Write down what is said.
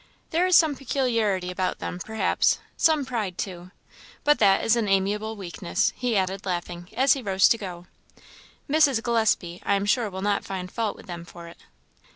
There is some peculiarity about them, perhaps some pride, too; but that is an amiable weakness," he added, laughing, as he rose to go: "Mrs. Gillespie, I am sure will not find fault with them for it."